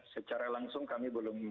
secara langsung kami belum